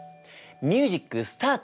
ミュージックスタート！